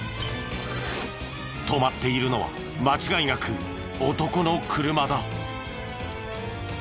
止まっているのは間違いなく男の車だ。